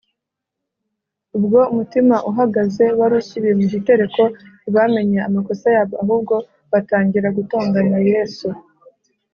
. Ubwo umutima uhagaze wari usubiye mu gitereko, ntibamenye amakosa yabo, ahubwo batangira gutonganya Yesu.